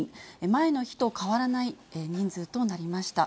前の日と変わらない人数となりました。